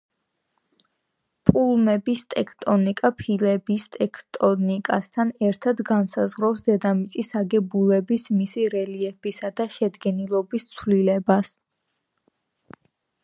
პლუმების ტექტონიკა, ფილების ტექტონიკასთან ერთად, განსაზღვრავს დედამიწის აგებულების, მისი რელიეფისა და შედგენილობის ცვლილებას.